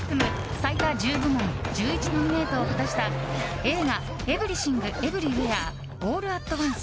最多１０部門１１ノミネートを果たした映画「エブリシング・エブリウェア・オール・アット・ワンス」。